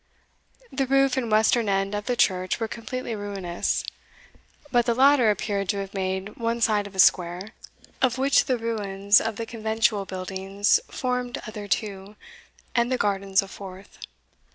The roof and western end of the church were completely ruinous; but the latter appeared to have made one side of a square, of which the ruins of the conventual buildings formed other two, and the gardens a fourth.